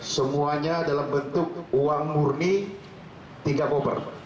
semuanya dalam bentuk uang murni tiga koper